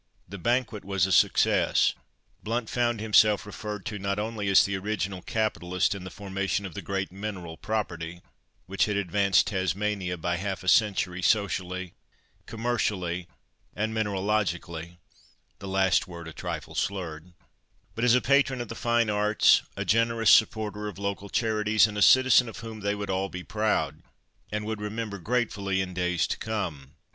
The banquet was a success. Blount found himself referred to, not only as the original capitalist in the formation of the great Mineral Property, which had advanced Tasmania by half a century, socially, commercially, and mineralogically (the last word a trifle slurred), but as "a patron of the fine arts, a generous supporter of local charities, and a citizen of whom they would all be proud, and would remember gratefully in days to come.